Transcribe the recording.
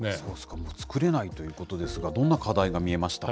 もう作れないということですが、どんな課題が見えましたか？